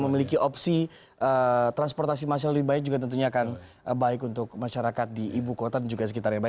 memiliki opsi transportasi masyarakat lebih baik juga tentunya akan baik untuk masyarakat di ibu kota dan juga sekitarnya